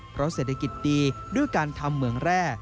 เพราะเศรษฐกิจดีด้วยการทำเหมืองแร่